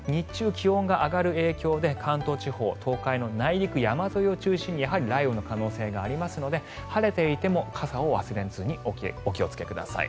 気温が上がる影響で関東地方、東海の内陸山沿いを中心にやはり雷雨の可能性がありますので晴れていても傘を忘れずにお気をつけください。